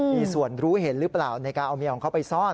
มีส่วนรู้เห็นหรือเปล่าในการเอาเมียของเขาไปซ่อน